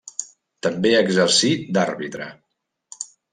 També exercí d'àrbitre.